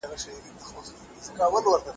د ونو تنې اوس ډېرې ډبلې ښکاري.